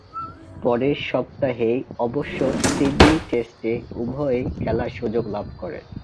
পরের সপ্তাহেই অবশ্য সিডনি টেস্টে উভয়েই খেলার সুযোগ লাভ করেন।